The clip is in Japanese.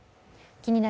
「気になる！